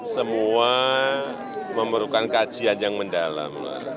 semua memerlukan kajian yang mendalam